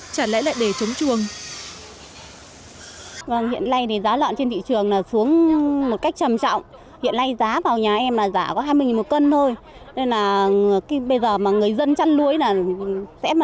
chả lẽ lại để chống chuồng